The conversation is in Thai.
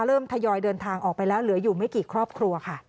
ทยอยเดินทางออกไปแล้วเหลืออยู่ไม่กี่ครอบครัวค่ะ